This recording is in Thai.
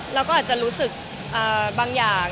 เราก็อาจจะรู้สึกบางอย่าง